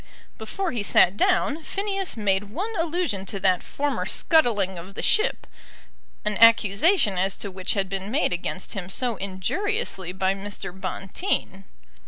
Before he sat down, Phineas made one allusion to that former scuttling of the ship, an accusation as to which had been made against him so injuriously by Mr. Bonteen.